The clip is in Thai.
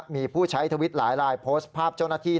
มีผู้ใช้ทวิตหลายลายโพสต์ภาพเจ้าหน้าที่